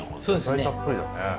そうですね。